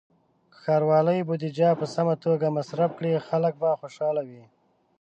که ښاروالۍ بودیجه په سمه توګه مصرف کړي، خلک به خوشحاله وي.